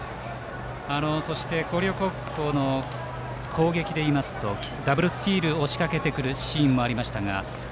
そして広陵高校の攻撃でいいますとダブルスチールを仕掛けてくるシーンもありました。